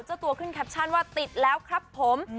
เจ้าตัวขึ้นแคปชั่นว่าติดแล้วครับผม